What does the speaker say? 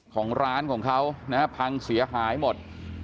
ของร้านของเขานะฮะพังเสียหายหมด